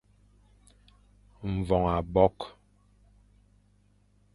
Mvoñ abokh.